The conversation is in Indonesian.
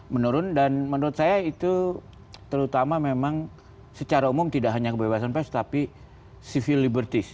menurun dan menurut saya itu terutama memang secara umum tidak hanya kebebasan pers tapi civil liberties